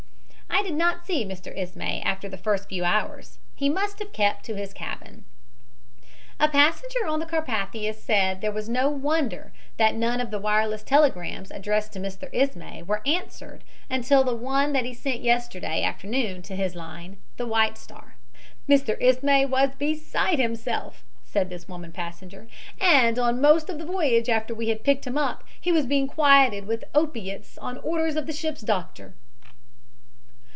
I did not see Mr. Ismay after the first few hours. He must have kept to his cabin." A passenger on the Carpathia said there was no wonder that none of the wireless telegrams addressed to Mr. Ismay were answered until the one that he sent yesterday afternoon to his line, the White Star. "Mr. Ismay was beside himself," said this woman passenger, "and on most of the voyage after we had picked him up he was being quieted with opiates on orders of the ship's doctor.